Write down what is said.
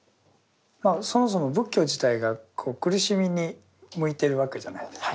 そもそも仏教自体が苦しみに向いてるわけじゃないですか。